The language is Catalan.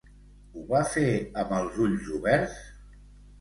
Ho va fer amb els ulls oberts?